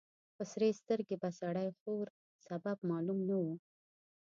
په سرې سترګې به سړی خوړ. سبب معلوم نه و.